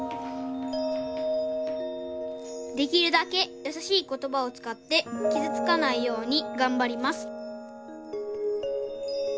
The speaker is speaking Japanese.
「できるだけ優しい言葉を使ってきずつかないようにがんばります」。